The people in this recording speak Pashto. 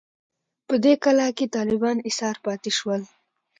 په دې کلا کې طالبان ایسار پاتې شول.